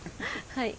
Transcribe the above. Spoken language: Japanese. はい。